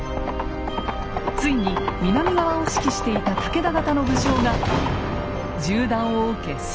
ついに南側を指揮していた武田方の武将が銃弾を受け戦死。